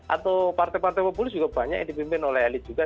atau partai partai populis juga banyak yang dipimpin oleh elit juga